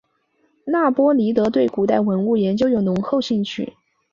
那波尼德对古代文物研究有浓厚兴趣。